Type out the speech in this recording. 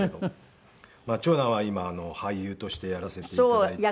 長男は今俳優としてやらせて頂いて。